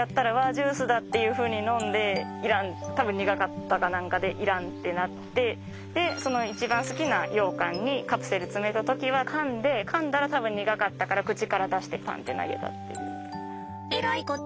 ジュースだっていうふうに飲んで要らん多分苦かったか何かで要らんってなってで一番好きなようかんにカプセル詰めた時はかんでかんだら多分苦かったから口から出してパンッて投げたという。